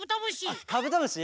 あカブトムシ！